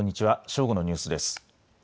正午のニュースです。